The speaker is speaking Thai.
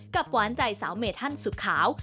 กับหวานใจสาวเมธั่นสุดขาว